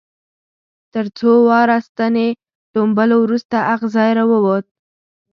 تر څو واره ستنې ټومبلو وروسته اغزی را ووت.